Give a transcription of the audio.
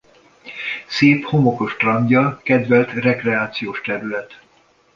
Szép homokos strandja kedvelt rekreációs terület.